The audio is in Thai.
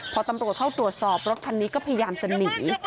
พอตำรวจเข้าตรวจสอบรถคันนี้ก็พยายามจะหนี